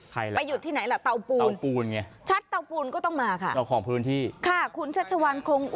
ใครล่ะไปหยุดที่ไหนล่ะเตาปูนเตาปูนไงชัดเตาปูนก็ต้องมาค่ะ